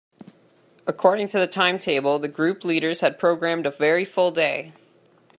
According to the timetable, the group leaders had programmed a very full day.